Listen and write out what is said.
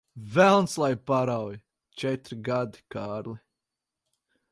Velns lai parauj! Četri gadi, Kārli.